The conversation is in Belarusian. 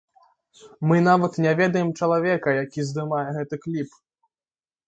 Мы нават не ведаем чалавека, які здымае гэты кліп.